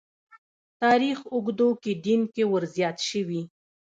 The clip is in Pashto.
تاریخ اوږدو کې دین کې ورزیات شوي.